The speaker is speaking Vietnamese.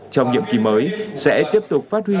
trong nhiệm kỳ mới sẽ tiếp tục phát huy